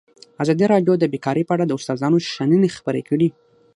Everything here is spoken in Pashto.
ازادي راډیو د بیکاري په اړه د استادانو شننې خپرې کړي.